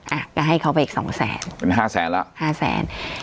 อ่ะก็ให้เข้าไปอีก๒แสนเป็น๕แสนแล้ว๕แสน